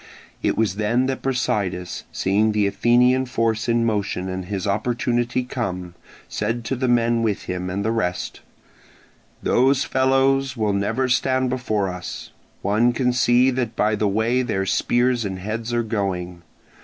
It was then that Brasidas, seeing the Athenian force in motion and his opportunity come, said to the men with him and the rest: "Those fellows will never stand before us, one can see that by the way their spears and heads are going.